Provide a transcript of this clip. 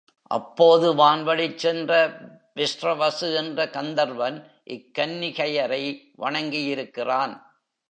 அப்போது வான்வழிச் சென்ற விஸ்ரவசு என்ற கந்தர்வன் இக் கன்னிகையரை வணங்கியிருக்கிறான்.